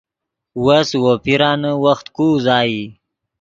وس وو پیرانے وخت کو اوازئی